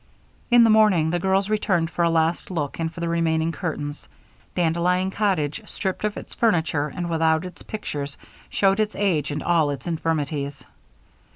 In the morning, the girls returned for a last look, and for the remaining curtains. Dandelion Cottage, stripped of its furniture and without its pictures, showed its age and all its infirmities.